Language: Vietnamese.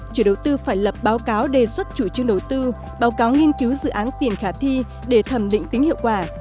chủ đầu tư phải lập báo cáo đề xuất chủ trương đầu tư báo cáo nghiên cứu dự án tiền khả thi để thẩm định tính hiệu quả